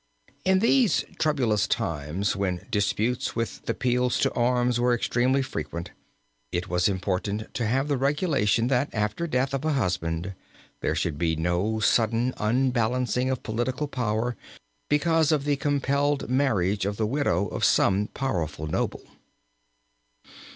In these troublous times when disputes with appeals to arms were extremely frequent, it was important to have the regulation, that after the death of a husband there should be no sudden unbalancing of political power because of the compelled marriage of the widow of some powerful noble.